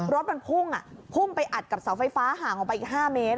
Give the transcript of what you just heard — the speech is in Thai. รถมันพุ่งพุ่งไปอัดกับเสาไฟฟ้าห่างออกไปอีก๕เมตร